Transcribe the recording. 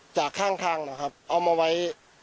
จากข้างทางนะครับเอามาไว้